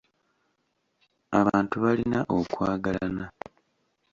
Abantu balina okwagalana.